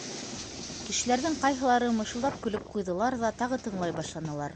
— Кешеләрҙең ҡайһылары мышылдап көлөп ҡуйҙылар ҙа тағы тыңлай башланылар.